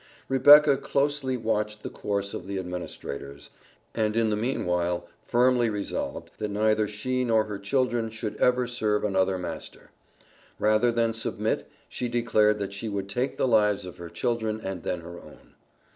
Rebecca closely watched the course of the administrators, and in the meanwhile firmly resolved, that neither she nor her children should ever serve another master. Rather than submit, she declared that she would take the lives of her children and then her own.